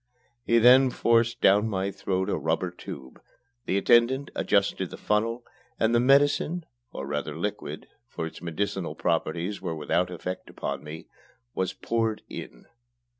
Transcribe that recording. He then forced down my throat a rubber tube, the attendant adjusted the funnel, and the medicine, or rather liquid for its medicinal properties were without effect upon me was poured in.